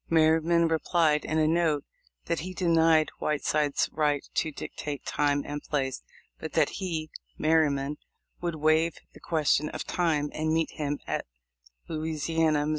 Merryman replied in a note, that he denied Whiteside's right to dictate time and place, but that he (Merry man) would waive the question of time, and meet him at Louisiana, Mo.